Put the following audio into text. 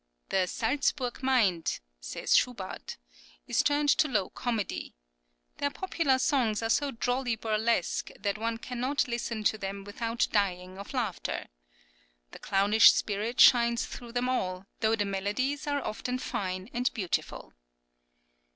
"The Salzburg mind," says Schubart,[10024] "is tuned to low comedy. Their popular songs are so drolly burlesque that one cannot listen to them without dying of laughter. The clownish spirit[10025] shines through them all, though the melodies are often fine and beautiful."